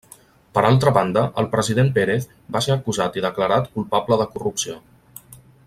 Per altra banda, el president Pérez va ser acusat i declarat culpable de corrupció.